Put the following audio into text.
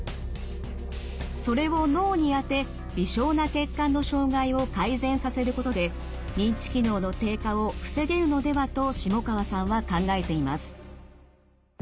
それを脳に当て微小な血管の障害を改善させることで認知機能の低下を防げるのではと下川さんは考えています。